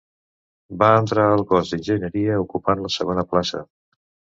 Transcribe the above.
Va entrar al cos d'enginyeria ocupant la segona plaça.